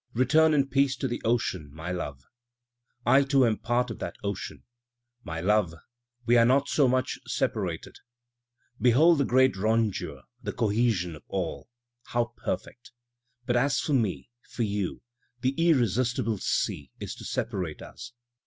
Return in peace to the ocean, my love^ I too am part of that ocean, my love, we are not so much separated, Behold the great rondure, the cohesion of all, how perfect! But as for me, for you, the irresistible sea is to separate us.